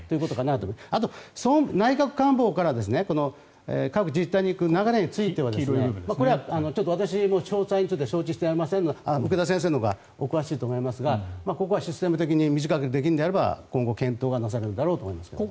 あと、内閣官房から各自治体に行く流れについてはこれは私も詳細に承知しておりませんので福田先生のほうがお詳しいと思いますがここはシステム的に短くできるのであれば今後、検討がなされるだろうと思いますけどね。